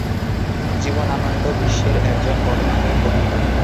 জীবনানন্দ বিশ্বের একজন বড়মাপের কবি।